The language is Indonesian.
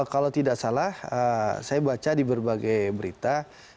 kalau tidak salah saya baca di berbagai berita